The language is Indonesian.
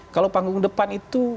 kalau panggung depan itu